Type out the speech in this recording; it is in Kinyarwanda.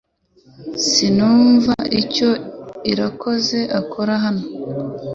Sinumva icyo Irakoze akora hano